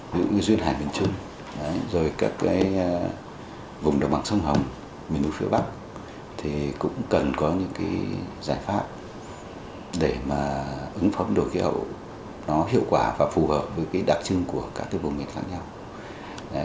những cái duyên hải bình trung rồi các cái vùng đồng bằng sông hồng miền núi phía bắc thì cũng cần có những cái giải pháp để mà ứng phóng biến đổi khí hậu nó hiệu quả và phù hợp với cái đặc trưng của các cái vùng biến đổi khí hậu nhau